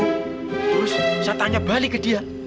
terus saya tanya balik ke dia